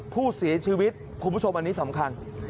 ผู้เสียชีวิตคุณผู้ชมอันนี้สำคัญ